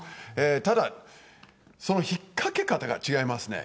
ただその引っ掛け方が違いますね。